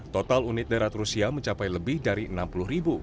total unit darat rusia mencapai lebih dari enam puluh ribu